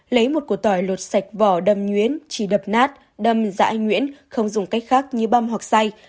lấy một củ tỏi lột sạch vỏ đâm nhuyễn chỉ đập nát đâm dãi nhuyễn không dùng cách khác như băm hoặc xay